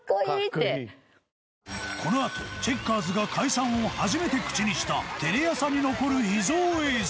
このあとチェッカーズが解散を初めて口にしたテレ朝に残る秘蔵映像。